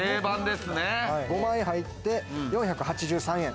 ５枚入って４８３円。